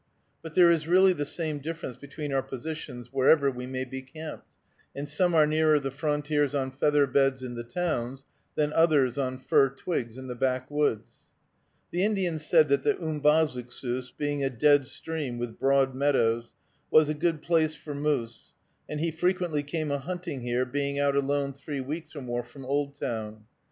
But there is really the same difference between our positions wherever we may be camped, and some are nearer the frontiers on feather beds in the towns than others on fir twigs in the backwoods. The Indian said that the Umbazookskus, being a dead stream with broad meadows, was a good place for moose, and he frequently came a hunting here, being out alone three weeks or more from Oldtown.